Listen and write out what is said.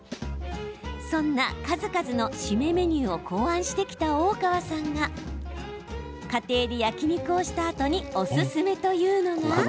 そんな数々の締めメニューを考案してきた大川さんが家庭で焼き肉をしたあとにおすすめというのが。